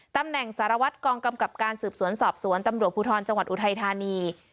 ตำแหน่งสารวัตรกองกำกับการสืบสวนสอบสวนตำรวจภูทรจังหวัดอุทัยธานี